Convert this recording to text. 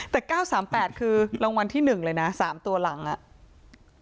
แต่๙๓๘คือรางวัลที่๑เลยนะ๓ตัวหลังอ่ะ